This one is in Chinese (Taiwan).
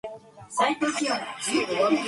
有嗎？